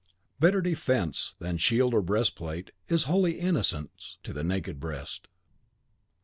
(Better defence than shield or breastplate is holy innocence to the naked breast.)